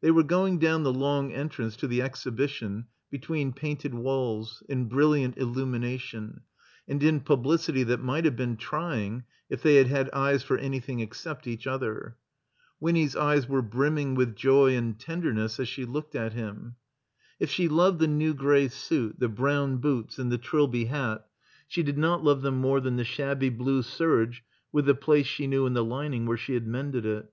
They were going down the long entrance to the Exhibition, between painted walls, in brilliant il Itunination, and in publicity that might have been trying if they had had eyes for anything except each other. Winny's eyes were brimming with joy and tender ness as she looked at him. If she loved the new gray suit, the brown boots, and the Trilby hat, she did not love them more than the shabby blue serge with the place she knew in the lining where she had mended it.